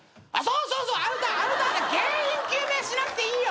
そうそうアウターアウター原因究明しなくていいよ！